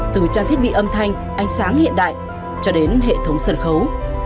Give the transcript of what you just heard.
từ trang thiết bị âm thanh ánh sáng hiện đại cho đến hệ thống sân khấu